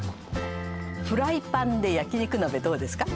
フライパンで焼肉鍋どうですか？